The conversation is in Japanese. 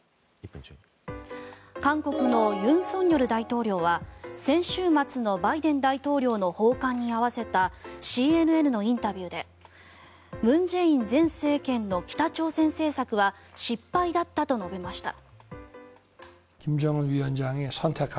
韓国の尹錫悦大統領は先週末のバイデン大統領の訪韓に合わせたＣＮＮのインタビューで文在寅前政権の北朝鮮政策は失敗だったと述べました。